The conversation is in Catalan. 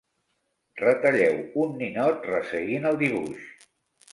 Retalleu un ninot resseguint el dibuix.